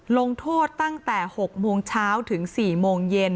ลงโทษตั้งแต่๖โมงเช้าถึง๔โมงเย็น